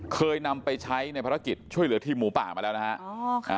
เคยนำไปใช้ในภารกิจช่วยเหลือทีมหมูป่ามาแล้วนะฮะ